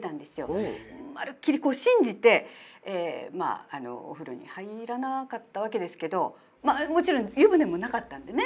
まるっきり信じてまあお風呂に入らなかったわけですけどもちろん湯船もなかったんでね